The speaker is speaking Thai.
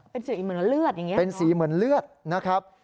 เป็นสีเหมือนเลือดอย่างนี้เป็นสีเหมือนเลือดนะครับ